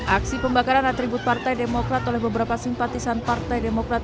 aksi pembakaran atribut partai demokrat oleh beberapa simpatisan partai demokrat